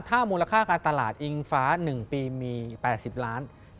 ถ้ามูลค่าการตลาดอิงฟ้า๑ปีมี๘๐ล้าน